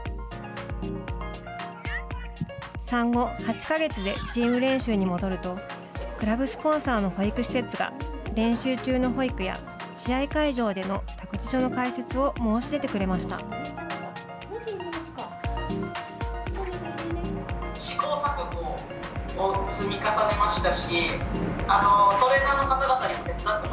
産後８か月でチーム練習に戻るとクラブスポンサーの保育施設が練習中の保育や試合会場での託児所の開設を申し出てくれました。